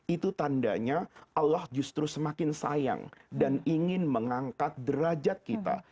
itu tandanya allah justru semakin sayang dan ingin mengangkat derajat kita